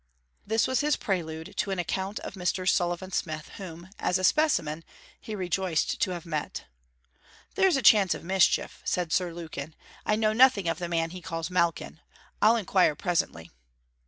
This was his prelude to an account of Mr. Sullivan Smith, whom, as a specimen, he rejoiced to have met. 'There's a chance of mischief,' said Sir Lukin. 'I know nothing of the man he calls Malkin. I'll inquire presently.'